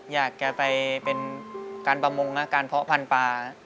อยากจะไปเป็นการประมงการเพาะพันธุ์ปลา